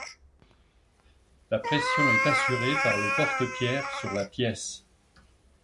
La pression est assurée par le porte-pierres sur la pièce.